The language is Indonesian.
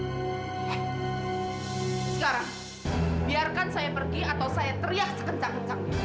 sekarang biarkan saya pergi atau saya teriak sekencang kencang